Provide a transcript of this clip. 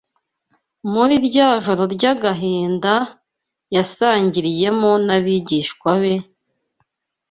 Muri rya joro ry’agahinda yasangiriyemo n’abigishwa be